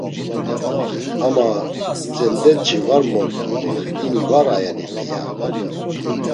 Ama, tzendeç̌i var modzun do ini var ayeni p̌iya?